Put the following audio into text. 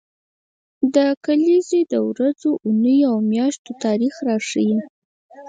دا کلیزې د ورځو، اونیو او میاشتو تاریخ راښيي.